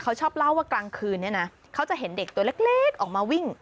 เขาชอบเล่าว่ากลางคืนเนี่ยนะเขาจะเห็นเด็กตัวเล็กออกมาวิ่ง